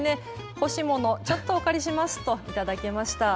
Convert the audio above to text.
干し物ちょっとお借りしますと頂きました。